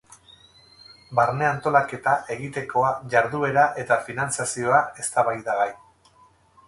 Barne antolaketa, egitekoa, jarduera eta finantzazioa eztabaidagai.